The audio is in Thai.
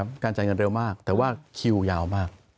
ไม่ใช่ครับการจ่ายเงินเร็วมากแต่ว่าคิวยาวมาก